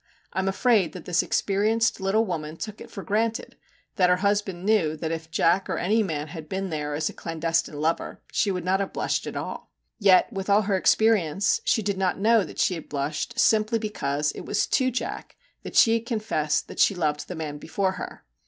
I am afraid that this experienced little woman took it for granted that her husband knew that if Jack or any man had been there as a clandestine lover, she would not have blushed at all. Yet with all her experience she did not know that she had blushed simply because it was to Jack that she had confessed that she loved the man before her.